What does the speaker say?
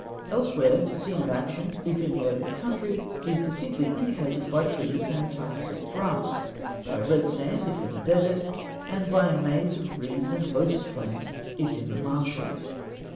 Elsewhere, the scene of action, if in the open country, is distinctly indicated by trees and tufts of grass; by red sand, if in the desert; and by a maze of reeds and lotus plants, if in the marshes.